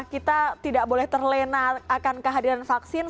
kita tidak boleh terlena akan kehadiran vaksin